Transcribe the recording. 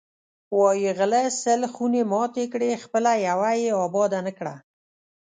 وایی غله سل خونې ماتې کړې، خپله یوه یې اباده نه کړه.